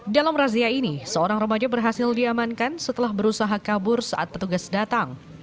dalam razia ini seorang remaja berhasil diamankan setelah berusaha kabur saat petugas datang